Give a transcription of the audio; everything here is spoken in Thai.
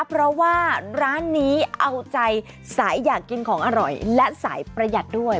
เพราะว่าร้านนี้เอาใจสายอยากกินของอร่อยและสายประหยัดด้วย